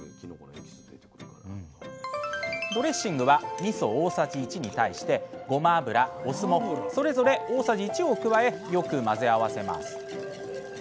ドレッシングはみそ大さじ１に対してごま油お酢もそれぞれ大さじ１を加えよく混ぜ合わせます。